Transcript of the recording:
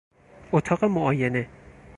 اتاق معاینه